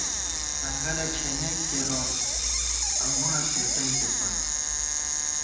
ځنگَلہ چھېنېک کېرَوون انگُڑہ څېٹَئیکے پت